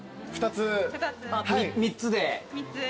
３つで。